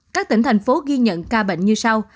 các tỉnh thành phố ghi nhận ca bệnh như sau